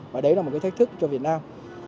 và đấy là một cái thách thức cho việt nam